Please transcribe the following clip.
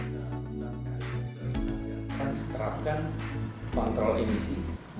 kita akan terapkan kontrol emisi